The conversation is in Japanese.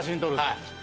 はい。